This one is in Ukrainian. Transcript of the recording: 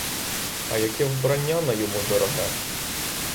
А яке вбрання на йому дороге!